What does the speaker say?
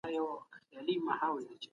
دا خورا واضح ده، چې موږ ستر یو